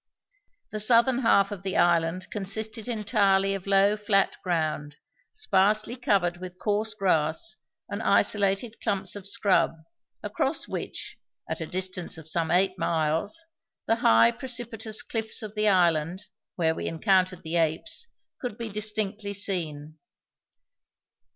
The southern half of the island consisted entirely of low, flat ground, sparsely covered with coarse grass and isolated clumps of scrub, across which, at a distance of some eight miles, the high, precipitous cliffs of the island where we encountered the apes could be distinctly seen.